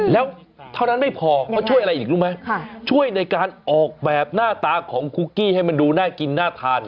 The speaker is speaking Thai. แล้วเท่านั้นไม่พอเขาช่วยอะไรอีกรู้ไหมช่วยในการออกแบบหน้าตาของคุกกี้ให้มันดูน่ากินน่าทาน